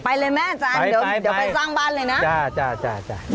ไปเลยแม่จ๊ะอันเดิมจะไปสร้างบ้านเลยนะจ๊ะ